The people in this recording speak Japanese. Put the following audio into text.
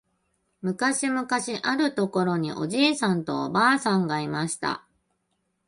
むかしむかしあるところにおじいさんとおばあさんがいました。